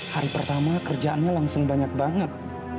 hari pertama kerjaannya langsung banyak banget